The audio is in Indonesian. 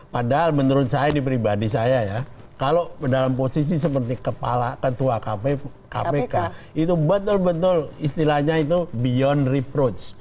padahal menurut saya di pribadi saya ya kalau dalam posisi seperti kepala ketua kpk itu betul betul istilahnya itu beyond reproach